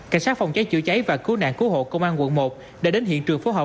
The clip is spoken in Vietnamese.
cảnh sát phòng cháy chữa cháy và cứu nạn cứu hộ công an quận một đã đến hiện trường phối hợp